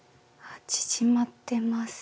縮まってます。